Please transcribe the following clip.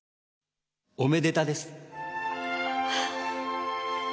おめでたです。